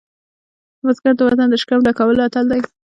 بزګر د وطن د شکم ډکولو اتل دی